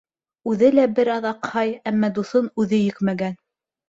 Үҙе лә бер аҙ аҡһай, әммә дуҫын үҙе йөкмәгән.